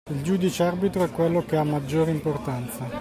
Il giudice arbitro è quello che ha “maggiore” importanza